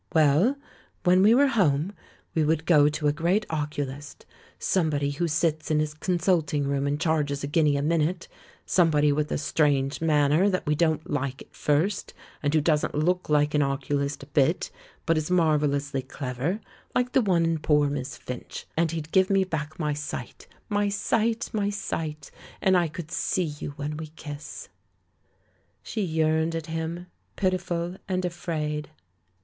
"Well, when we were Home, we would go to a great oculist — somebody who sits in his consult ing room and charges a guinea a minute; some ^ body with a strange manner that we don't like at first, and who doesn't look like an oculist a bit, but is marvellously clever, like the one in Poor Miss Finch. And he'd give me back my sight —• my sight! my sight! and I could see you when we kiss!" She yearned at him, pitiful and afraid.